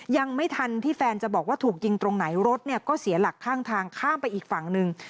ยังไม่ทันที่แฟนจะบอกว่าถูกยิงตรงไหนรถเนี่ยก็เสียหลักข้างทางข้ามไปอีกฝั่งหนึ่ง